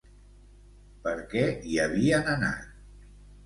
Per què hi havien anat?